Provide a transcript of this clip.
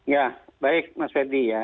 ya baik mas ferdi ya